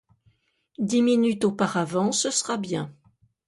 Dix minutes auparavant, ce sera bien.